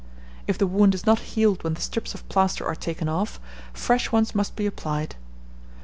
If the wound is not healed when the strips of plaster are taken off, fresh ones must be applied.